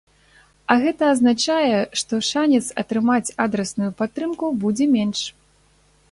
А гэта азначае, што шанец атрымаць адрасную падтрымку будзе менш.